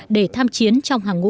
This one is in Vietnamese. để tham chiến trong hàng ngũ